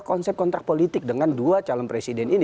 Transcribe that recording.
dan yang berani membuat kontrak politik dengan dua calon presiden ini